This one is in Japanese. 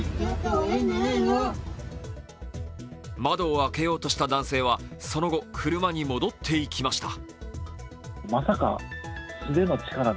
窓を開けようとした男性はその後、車に戻っていきました。